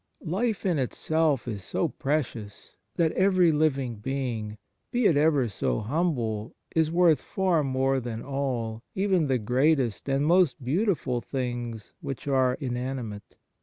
Life in itself is so precious that every living being, be it ever so humble, is worth far more than all, even the greatest and most beautiful things which are in animate.